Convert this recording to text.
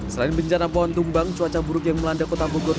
selain bencana pohon tumbang cuaca buruk yang melanda kota bogor